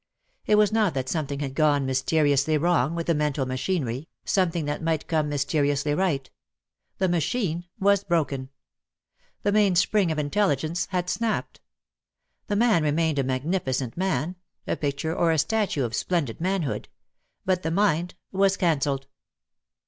It was not that something had gone mysteriously wrong with the mental machinery, something that might come mysteriously right. The machine was broken. The main spring of intelligence had snapped. The man remained a magnificent man — a picture or a statue of splendid manhood; but the mind was cancelled.